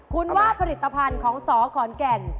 คุณว่าผลิตภัณฑ์ของสขอนแก่น